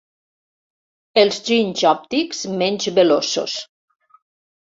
Els ginys òptics menys veloços.